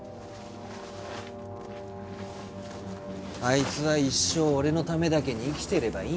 あいつは一生俺のためだけに生きてればいいんだよ。